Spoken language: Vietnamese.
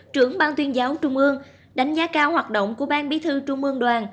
trưởng ban tuyên giáo trung ương đánh giá cao hoạt động của ban bí thư trung ương đoàn